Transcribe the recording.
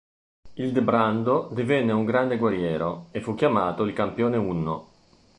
Ildebrando divenne un grande guerriero, e fu chiamato il "Campione Unno".